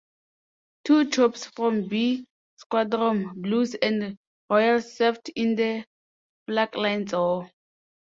Two troops from B Squadron, Blues and Royals served in the Falklands War.